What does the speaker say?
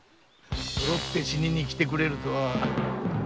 そろって死ににきてくれるとはご苦労。